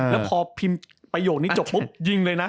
แล้วพอพิมพ์ประโยคนี้จบปุ๊บยิงเลยนะ